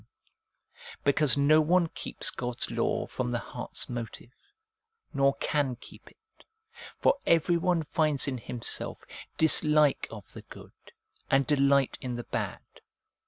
n), because no one keeps God's law from the heart's motive, nor can keep it ; for every one finds in himself dislike of the good and delight in the bad.